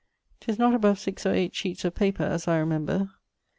'Tis not above 6 or 8 sheetes of paper, as I remember.